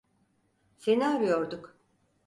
Seni arıyorduk.